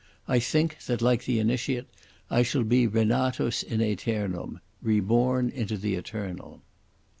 I think that like the initiate I shall be renatus in aeternum—reborn into the eternal."